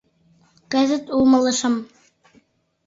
Кызыт умылышым...